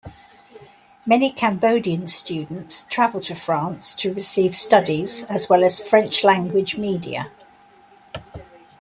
Many Cambodian students travel to France to receive studies as well as French-language media.